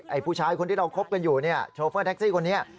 ผู้ชายคนที่เราคบกันอยู่เนี่ยโชเฟอร์แท็กซี่คนนี้